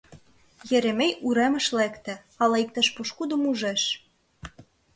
Еремей уремыш лекте, ала иктаж пошкудым ужеш.